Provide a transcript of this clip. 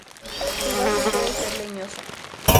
Su base puede ser leñosa.